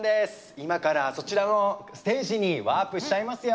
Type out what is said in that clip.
今からそちらのステージにワープしちゃいますよ。